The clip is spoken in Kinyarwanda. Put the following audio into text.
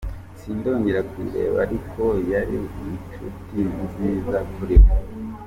Sindongera kukireba ariko yari ishoti nziza kuri we.